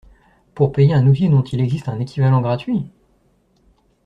pour payer un outil dont il existe un équivalent gratuit?